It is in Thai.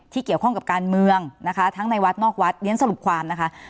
เกี่ยวข้องกับการเมืองนะคะทั้งในวัดนอกวัดเรียนสรุปความนะคะ